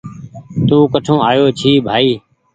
توڪٺون آيو ڇي بهائي